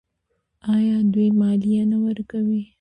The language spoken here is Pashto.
آیا دوی مالیه نه ورکوي؟